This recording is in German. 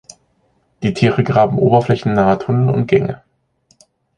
Die Tiere graben oberflächennahe Tunnel und Gänge.